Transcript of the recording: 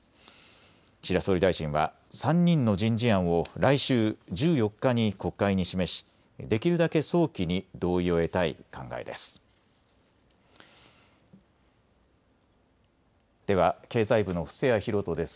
岸田総理大臣は、３人の人事案を来週１４日に国会に示し、できるだけ早期に同意を得たい考えです。